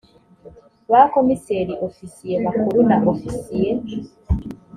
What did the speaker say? ba komiseri ofisiye bakuru na ofisiye